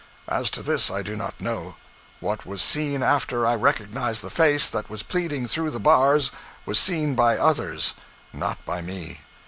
As to this, I do not know. What was seen after I recognized the face that was pleading through the bars was seen by others, not by me.